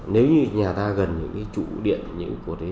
nếu như nhà ta gần những cái trụ điện những cái cột đấy